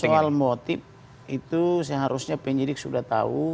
soal motif itu seharusnya penyidik sudah tahu